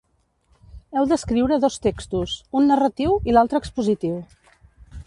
Heu d'escriure dos textos, un narratiu i l'altre expositiu.